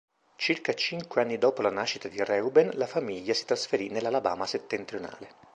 Circa cinque anni dopo la nascita di Reuben la famiglia si trasferì nell'Alabama settentrionale.